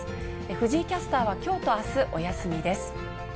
藤井キャスターはきょうとあす、お休みです。